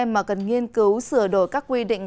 mà cần nghiên cứu sửa đổi các quy định